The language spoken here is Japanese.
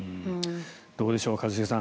どうでしょう、一茂さん。